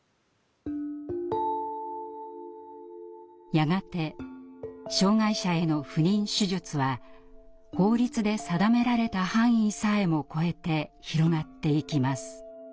やがて障害者への不妊手術は法律で定められた範囲さえもこえて広がっていきます。